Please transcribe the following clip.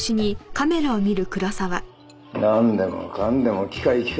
「なんでもかんでも機械機械って」